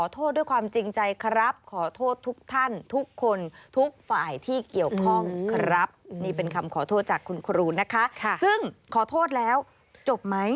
โทษจากคุณครูนะคะซึ่งขอโทษแล้วจบไหม